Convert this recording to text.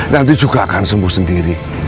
nanti juga akan sembuh sendiri